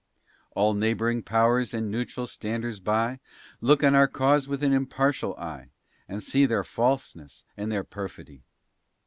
All neighboring powers and neutral standers by Look on our cause with an impartial eye, And see their falseness and their perfidy.